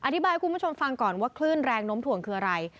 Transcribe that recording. ให้คุณผู้ชมฟังก่อนว่าคลื่นแรงน้มถ่วงคืออะไร